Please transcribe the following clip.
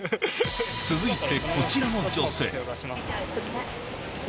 続いてこちらの女性こっち。